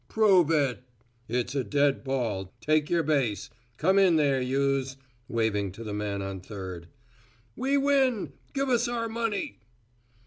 "Prove it." "It's a dead ball take your base come in there, youse," waving to the man on third. "We win. Give us our money."